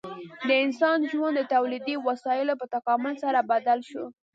د انسان ژوند د تولیدي وسایلو په تکامل سره بدل شو.